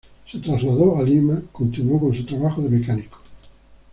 Se trasladó a Lima, continuó con su trabajo de mecánico.